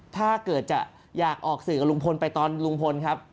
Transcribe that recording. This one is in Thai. ถ้าเกิดจะอยากออกสื่อกับลุงพลไปตอนลุงพลครับ